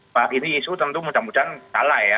pak ini isu tentu mudah mudahan kalah ya